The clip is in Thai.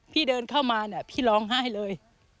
พี่เดินเข้ามาพี่ร้องไห้เลย